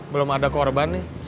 belum ada korban nih